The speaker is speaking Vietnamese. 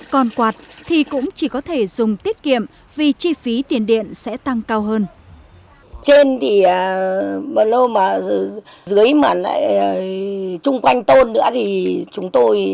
còn quạt thì cũng chỉ có thể dùng tiết kiệm vì chi phí tiền điện sẽ tăng cao hơn